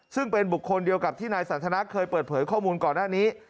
ซึ่งเป็นบุคคลเดียวกับที่นายสันทนาเคยเปิดเผยข้อมูลก่อนหน้านี้